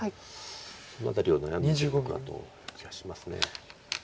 その辺りを悩んでるのかなという気がします。